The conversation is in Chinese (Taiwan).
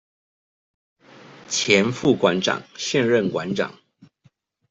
前副館長、現任館長